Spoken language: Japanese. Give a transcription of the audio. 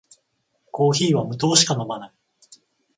コーヒーは無糖しか飲まない